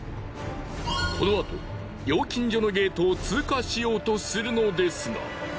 このあと料金所のゲートを通過しようとするのですが。